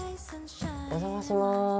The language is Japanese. お邪魔します。